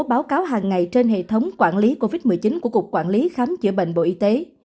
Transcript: báo cáo hàng ngày trên hệ thống quản lý covid một mươi chín của cục quản lý khám chữa bệnh bộ y tế